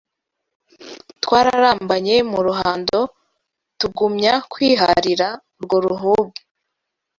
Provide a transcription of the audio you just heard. Twararambanye mu ruhando Tugumya kwiharira urwo ruhuge